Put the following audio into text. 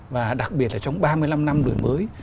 và đặc biệt là trong ba mươi năm năm đổi mới